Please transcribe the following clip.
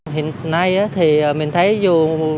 hiện nay thì mình thấy dù